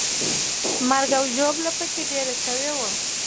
مرګ او ژوبله به پکې ډېره سوې وه.